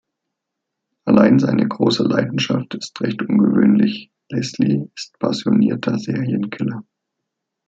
Allein seine große Leidenschaft ist recht ungewöhnlich: Leslie ist passionierter Serienkiller.